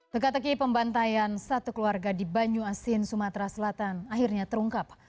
tegak tegi pembantaian satu keluarga di banyuasin sumatera selatan akhirnya terungkap